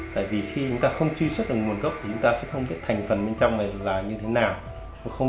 đặc biệt là các khoa về mệnh gan